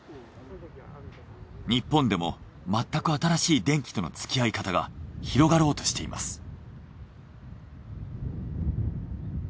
日本でもまったく新しい電気とのつきあい方が広がろうとしています。